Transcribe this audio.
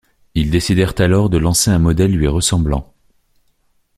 Ils décidèrent alors de lancer un modèle lui ressemblant.